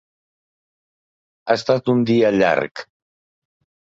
Ha estat un dia llarg.